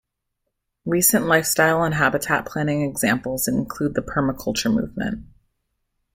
Recent lifestyle and habitat planning examples include the permaculture movement.